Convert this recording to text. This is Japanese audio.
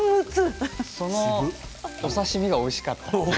そのお刺身がおいしかったです。